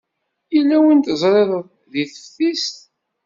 Yella win teẓrid deg teftist?